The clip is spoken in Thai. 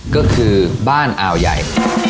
ก็คือบ้านอ่าวยัย